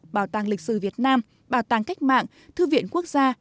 bảo tàng lịch sử việt nam bảo tàng cách mạng thư viện quốc gia